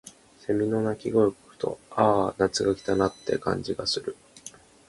蝉の鳴き声を聞くと、「ああ、夏が来たな」って感じがする。